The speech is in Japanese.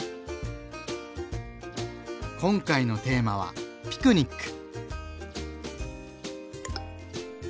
今回のテーマは「ピクニック」。